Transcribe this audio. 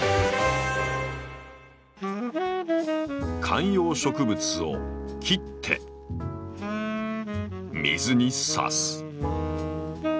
観葉植物を切って水に挿す。